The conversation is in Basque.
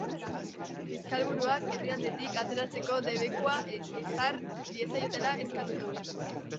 Fiskalburuak herrialdetik ateratzeko debekua ezar diezaiotela eskatu du.